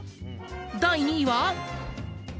第２位は。